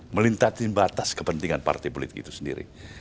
melintasin batas kepentingan partai politik itu sendiri